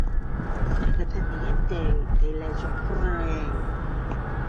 Independiente de La Chorrera